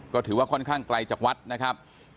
ก็ถือว่าค่อนข้างไกลจากวัดนะครับ